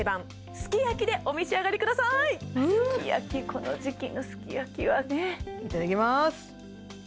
すき焼きこの時期のすき焼きはねいただきます！